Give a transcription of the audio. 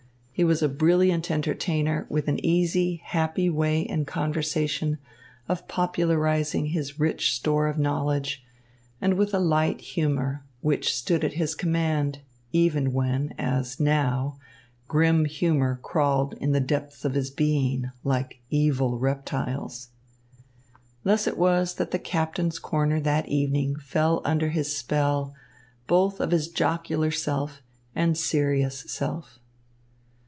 He was a brilliant entertainer, with an easy, happy way in conversation of popularising his rich store of knowledge, and with a light humour, which stood at his command even when, as now, grim humour crawled in the depths of his being, like evil reptiles. Thus it was that the captain's corner that evening fell under his spell, both of his jocular self and serious self.